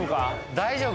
大丈夫？